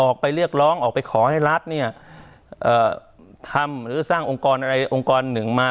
ออกไปเรียกร้องออกไปขอให้รัฐเนี่ยทำหรือสร้างองค์กรอะไรองค์กรหนึ่งมา